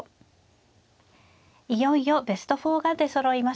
いよいよベスト４が出そろいました。